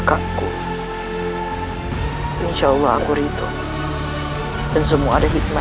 hai agar aku tidak bertemu denganmu